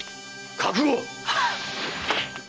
覚悟！